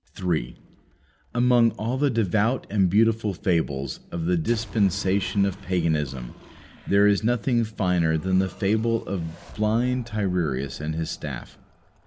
3. Among all the devout and beautiful fables of the "dispensation of paganism," there is nothing finer than the fable of blind Tiresias and his staff.